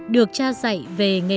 được cha dạy về nghề đại